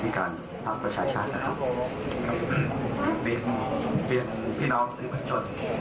ที่การภาพประชาชานะครับเปลี่ยนเปลี่ยนพี่น้องเป็นคนชน